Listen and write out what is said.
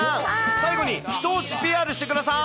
最後に一押しＰＲしてください。